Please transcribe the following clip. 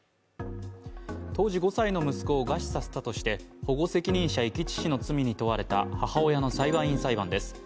当時５歳の息子を餓死させたとして保護責任者遺棄致死の罪に問われた母親の裁判員裁判です。